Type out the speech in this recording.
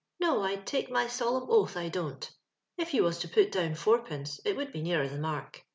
No, I'd take my solemn oath I don't ! If you was to put down fourpenco it would be nearer the mark.